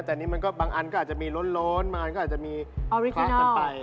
แต่นี่มันก็บางอันก็อาจจะมีล้นบางอันก็อาจจะมีเคาะกันไป